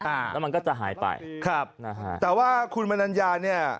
อ่าแล้วมันก็จะหายไปครับนะฮะแต่ว่าคุณมนัญญาเนี่ย